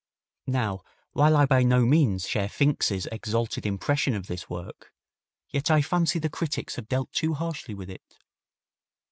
Now, while I by no means share Finck's exalted impression of this work, yet I fancy the critics have dealt too harshly with it.